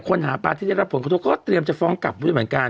หาปลาที่ได้รับผลกระทบก็เตรียมจะฟ้องกลับด้วยเหมือนกัน